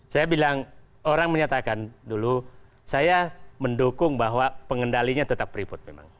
saya bilang orang menyatakan dulu saya mendukung bahwa pengendalinya tetap freeport memang